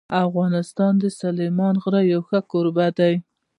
افغانستان د سلیمان غر یو ښه کوربه دی.